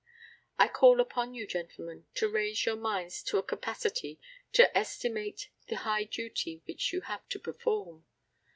I call upon you, gentlemen, to raise your minds to a capacity to estimate the high duty which you have to perform.